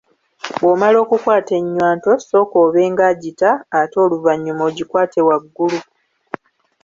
Bw’omala okukwata ennywanto, sooka obe nga agita ate oluvannyuma ogikwate waggulu.